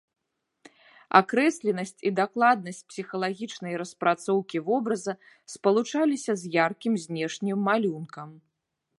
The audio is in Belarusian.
Акрэсленасць і дакладнасць псіхалагічнай распрацоўкі вобраза спалучаліся з яркім знешнім малюнкам.